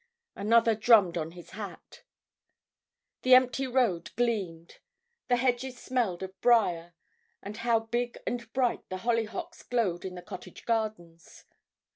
—another drummed on his hat. The empty road gleamed, the hedges smelled of briar, and how big and bright the hollyhocks glowed in the cottage gardens.